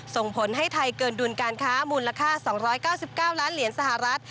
ส่งผลให้ไทยเกินดุลการค้ามูลค่า๒๙๙ล้านเหรียญสหรัฐ